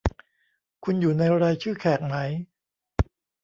คุณอยู่ในรายชื่อแขกไหม